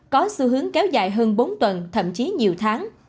có xu hướng kéo dài hơn bốn tuần thậm chí nhiều tháng